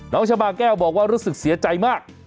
ชาบาแก้วบอกว่ารู้สึกเสียใจมาก